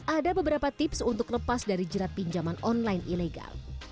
ada beberapa tips untuk lepas dari jerat pinjaman online ilegal